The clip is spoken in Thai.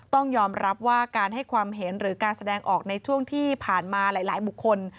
ต้องยอมรับว่าการให้ความเห็นหรือการแสดงออกในช่วงที่ผ่านมาหลายบุคคล